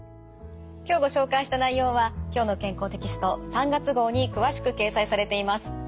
今日ご紹介した内容は「きょうの健康」テキスト３月号に詳しく掲載されています。